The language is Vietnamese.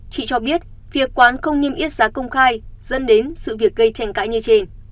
chị cho biết việc quán không niêm yết giá công khai dẫn đến sự việc gây tranh cãi như trên